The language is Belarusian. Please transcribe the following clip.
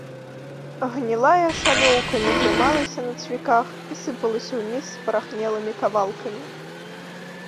Гнілая шалёўка не трымалася на цвіках і сыпалася ўніз спарахнелымі кавалкамі.